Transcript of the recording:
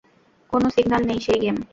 কোনো সিগন্যাল নেই সেই গেম?